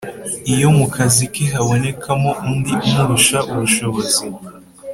iyo mu kazi ke habonekamo undi umurusha ubushobozi,